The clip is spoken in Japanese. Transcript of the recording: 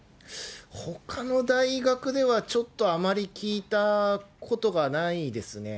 ほかの大学ではちょっとあまり聞いたことがないですね。